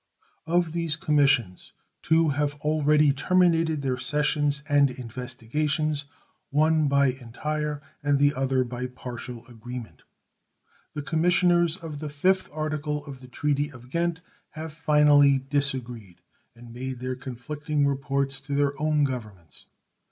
Of these commissions two have already terminated their sessions and investigations, one by entire and the other by partial agreement. The commissioners of the 5th article of the treaty of Ghent have finally disagreed, and made their conflicting reports to their own Governments.